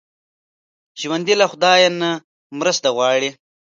ژوندي له خدای نه مرسته غواړي